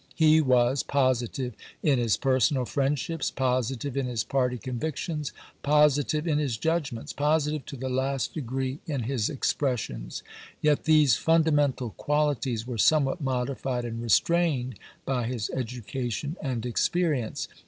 He was positive in his personal friendships, positive in his party convic tions, positive in his judgments, positive to the last degree in his expressions. Yet these fundamental qualities were somewhat modified and restrained by his education and experience.